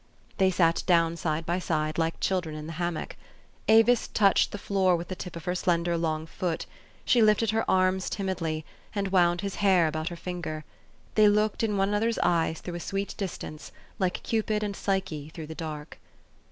They sat down side by side, like children, in the hammock. Avis touched the floor with the tip of her slender long foot ; she lifted her arms timidty, and wound his hair about her finger ; they looked in one another's eyes through a sweet distance, like Cupid and Psyche through the dark.